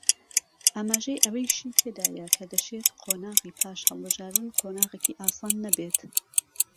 ئاماژەی ئەوەیشی تێدایە کە دەشێت قۆناغی پاش هەڵبژاردن قۆناغێکی ئاسان نەبێت